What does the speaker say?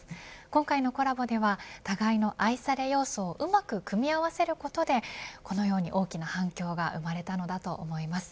今回のコラボでは互いの愛され要素をうまく組み合わせることでこのように大きな反響が生まれたのだと思います。